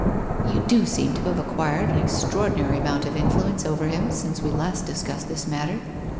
': You do seem to have acquired an extraordinary amount of influence over him since we last discussed this matter!